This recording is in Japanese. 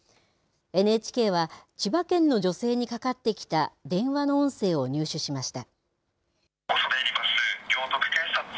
ＮＨＫは、千葉県の女性にかかってきた電話の音声を入手しました。